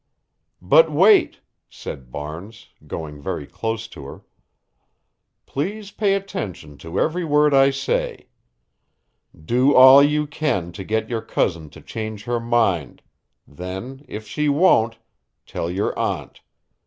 "But wait," said Barnes, going very close to her. "Please pay attention to every word I say. _Do all you can to get your cousin to change her mind; then, if she won't, tell your aunt.